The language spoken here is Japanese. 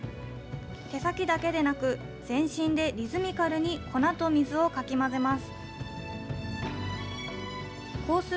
手先だけでなく、全身でリズミカルに粉と水をかき混ぜます。